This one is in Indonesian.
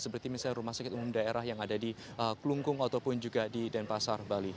seperti misalnya rumah sakit umum daerah yang ada di klungkung ataupun juga di denpasar bali